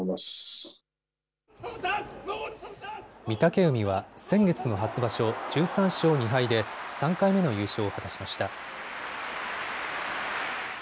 御嶽海は先月の初場所、１３勝２敗で３回目の優勝を果たしました。